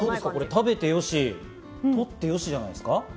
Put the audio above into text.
食べてよし、撮ってよしじゃないですか？